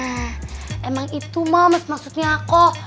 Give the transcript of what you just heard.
nah emang itu mams maksudnya aku